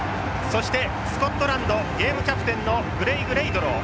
そしてスコットランドゲームキャプテンのグレイグレイドロウ。